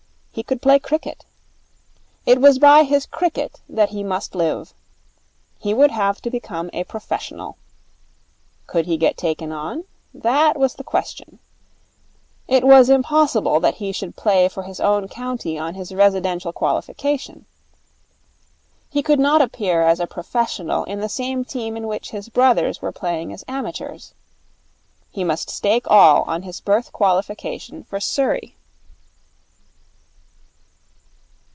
He could play cricket. It was by his cricket that he must live. He would have to become a professional. Could he get taken on? That was the question. It was impossible that he should play for his own county on his residential qualification. He could not appear as a professional in the same team in which his brothers were playing as amateurs. He must stake all on his birth qualification for Surrey.